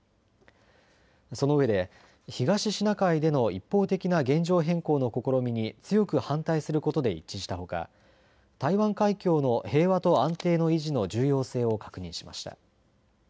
そのうえで東シナ海での一方的な現状変更の試みに強く反対することで一致したほか台湾海峡の平和と安定の維持の重要性を確認しました。